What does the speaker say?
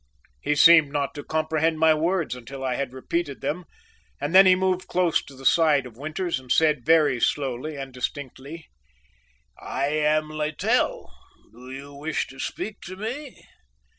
He seemed not to comprehend my words until I had repeated them and then he moved close to the side of Winters and said very slowly and distinctly: "I am Littell; do you wish to speak to me?"